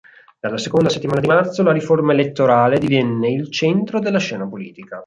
Dalla seconda settimana di marzo, la riforma elettorale divenne il centro della scena politica.